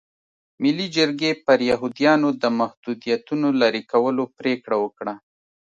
ملي جرګې پر یهودیانو د محدودیتونو لرې کولو پرېکړه وکړه.